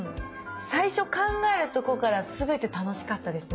最初考えるとこからすべて楽しかったですね。